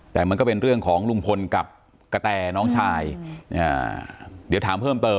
แต่มันก็เป็นเรื่องของลุงพลกับกะแตน้องชายเดี๋ยวถามเพิ่มเติม